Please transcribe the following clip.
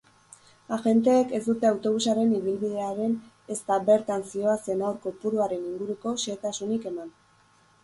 Agenteek ez dute autobusaren ibilbidearen ezta bertan zihoazen haur kopuruaren inguruko xehetasunik eman.